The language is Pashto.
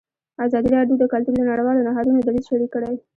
ازادي راډیو د کلتور د نړیوالو نهادونو دریځ شریک کړی.